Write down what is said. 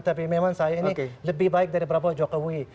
tapi memang saya ini lebih baik dari berapa jokowi